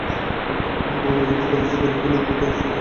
আমার অজান্তে কুরাইশদের কতিপয় লোকও তাদের সাথে শরীক হয়।